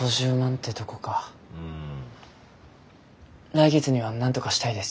来月にはなんとかしたいです。